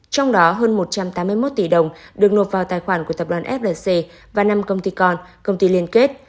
trong đó hơn một trăm tám mươi một tỷ đồng được nộp vào tài khoản của tập đoàn flc và năm công ty con công ty liên kết